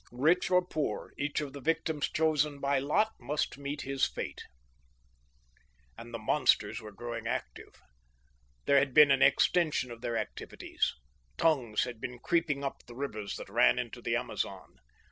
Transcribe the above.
Rich or poor, each of the victims chosen by lot must meet his fate. And the monsters were growing active. There had been an extension of their activities. Tongues had been creeping up the rivers that ran into the Amazon.